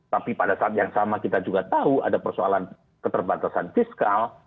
tapi pada saat yang sama kita juga tahu ada persoalan keterbatasan fiskal